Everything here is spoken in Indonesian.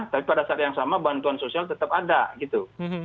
tapi pada saat yang sama bantuan sosial tetap ada gitu